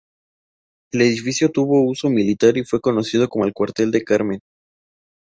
El edificio tuvo uso militar y fue conocido como cuartel del Carmen.